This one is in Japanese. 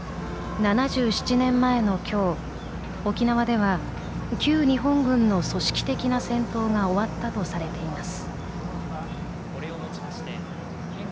７７年前のきょう、沖縄では旧日本軍の組織的な戦闘が終わったとされています。